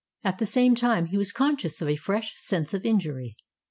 At the same time he was conscious of a fresh sense of injury.